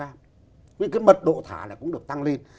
vậy cái mật độ thả là cũng được tăng lên